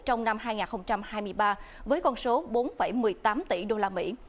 trong năm hai nghìn hai mươi ba với con số bốn một mươi tám tỷ đô la mỹ